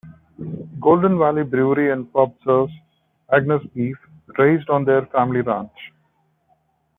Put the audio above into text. Golden Valley Brewery and Pub serves Angus beef raised on their family ranch.